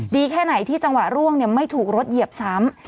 แค่ไหนที่จังหวะร่วงไม่ถูกรถเหยียบซ้ำ